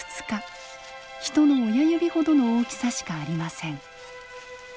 人の親指ほどの大きさしかありません。